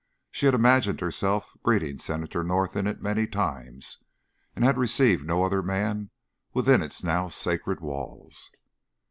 She had imagined herself greeting Senator North in it many times, and had received no other man within its now sacred walls.